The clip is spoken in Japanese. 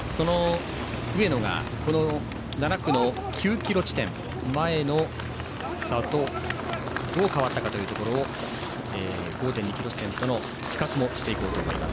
上野が、７区の９ｋｍ地点前の差とどう変わったかというところを５．２ｋｍ地点と比較していこうと思います。